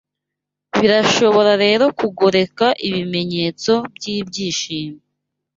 Birashobora rero kugoreka ibimenyetso byibyishimo